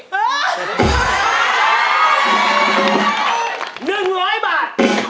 หนึ่งร้อยบาท